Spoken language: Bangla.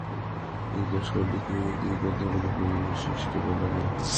এই দশম খণ্ডটিকে এই গ্রন্থাবলীর পরিশিষ্ট বলা যায়।